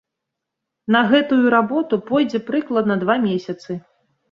На гэтую работу пойдзе прыкладна два месяцы.